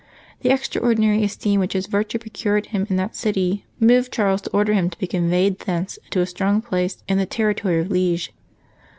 The extraordinary esteem which his virtue procured him in that city moved Charles to order him to be conveyed thence to a strong place in the territory of Liege.